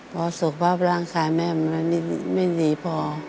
พอสุขภาพร่างกายแม่มันไม่ดีพอ